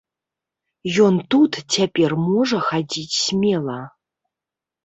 Ён тут цяпер можа хадзіць смела.